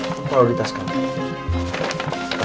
apa kalau di tas kamu